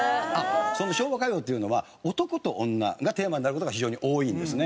昭和歌謡っていうのは男と女がテーマになる事が非常に多いんですね。